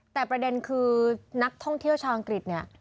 แต่ประเด็นคือนักท่องเที่ยวชาวอังกฤษเนี่ย